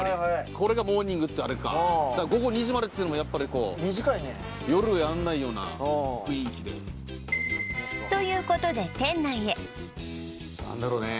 これがモーニングってアレか午後２時までってのもやっぱりこう短いね夜やんないような雰囲気でということで何だろうね